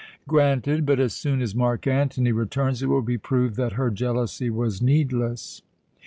"Granted! But as soon as Mark Antony returns it will be proved that her jealousy was needless."